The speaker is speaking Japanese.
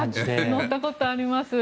乗ったことあります。